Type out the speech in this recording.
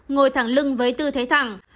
ngồi thẳng lưng với tư thế thẳng